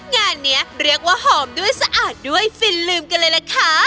งานนี้เรียกว่าหอมด้วยสะอาดด้วยฟินลืมกันเลยล่ะค่ะ